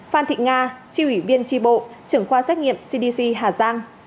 phan thị nga chỉ huy viên tri bộ trưởng khoa xét nghiệm cdc hà giang